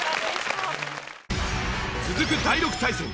続く第６対戦。